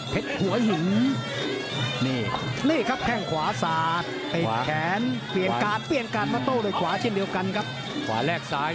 เพชรหัวหินนี่ครับแค่งขวาสา